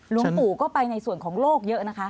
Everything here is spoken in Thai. หลวงปู่ก็ไปในส่วนของโลกเยอะนะคะ